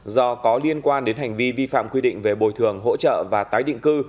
do có liên quan đến hành vi vi phạm quy định về bồi thường hỗ trợ và tái định cư